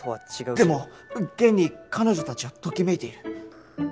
でも現に彼女たちはときめいている。